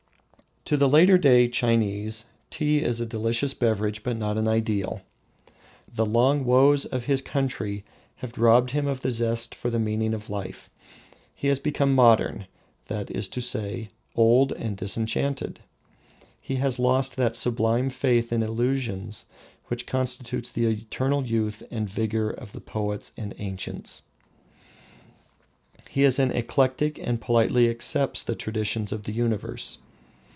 To the latter day Chinese tea is a delicious beverage, but not an ideal. The long woes of his country have robbed him of the zest for the meaning of life. He has become modern, that is to say, old and disenchanted. He has lost that sublime faith in illusions which constitutes the eternal youth and vigour of the poets and ancients. He is an eclectic and politely accepts the traditions of the universe.